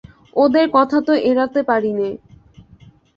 ওদের কথা তো এড়াতে পারিনে।